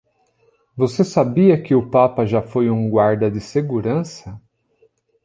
Você sabia que o papa já foi um guarda de segurança?